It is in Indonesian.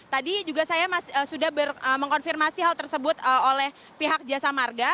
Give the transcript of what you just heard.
tadi juga saya sudah mengkonfirmasi hal tersebut oleh pihak jasa marga